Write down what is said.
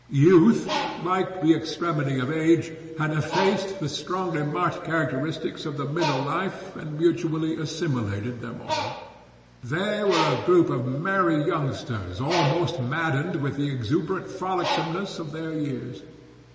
Youth, like the extremity of age, had effaced the strongly marked characteristics of middle life and mutually assimilated them all. They were a group of merry youngsters almost maddened with the exuberant frolicsomeness of their years.